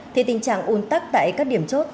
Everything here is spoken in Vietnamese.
thì tình trạng un tắc tại các điểm chốt